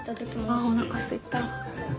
あおなかすいた。